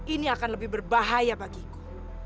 ini akan lebih berbahaya bagiku